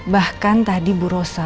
bahkan tadi ibu rosa